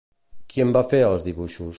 Qui en va fer els dibuixos?